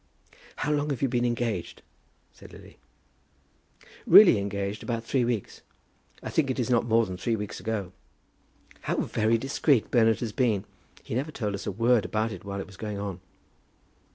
"How long have you been engaged?" said Lily. "Really engaged, about three weeks. I think it is not more than three weeks ago." "How very discreet Bernard has been. He never told us a word about it while it was going on."